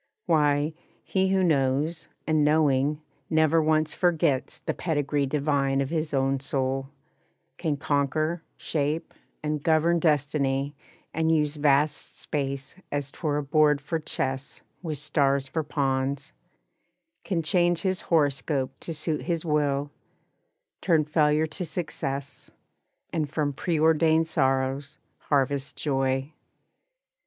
Why, he Who knows, and knowing, never once forgets The pedigree divine of his own soul, Can conquer, shape and govern destiny And use vast space as 'twere a board for chess With stars for pawns; can change his horoscope To suit his will; turn failure to success, And from preordained sorrows, harvest joy.